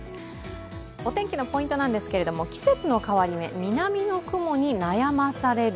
お天気のポイントなんですが、季節の変わり目、南の雲に悩まされる。